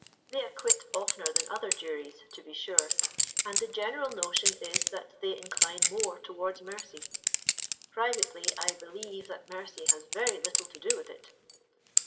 They acquit oftener than other juries, to be sure; and the general notion is that they incline more towards mercy. Privately, I believe that mercy has very little to do with it."